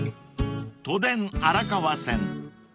［都電荒川線］